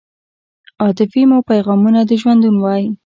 عاطفې مو پیغامونه د ژوندون وای